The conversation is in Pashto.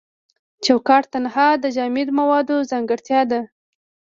چوکات تنها د جامد موادو ځانګړتیا ده.